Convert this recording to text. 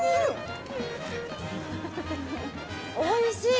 おいしい！